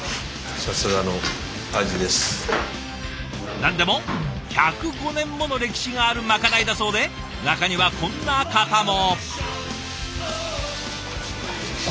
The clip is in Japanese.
何でも１０５年もの歴史があるまかないだそうで中にはこんな方も。